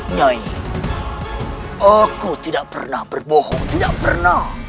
nyai aku tidak pernah berbohong tidak pernah